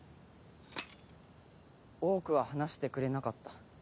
多くは話してくれなかった。